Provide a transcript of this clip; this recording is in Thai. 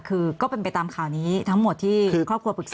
คือก็เป็นไปตามข่าวนี้ทั้งหมดที่ครอบครัวปรึกษา